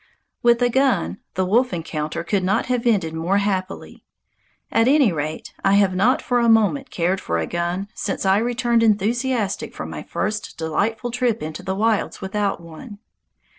With a gun, the wolf encounter could not have ended more happily. At any rate, I have not for a moment cared for a gun since I returned enthusiastic from my first delightful trip into the wilds without one.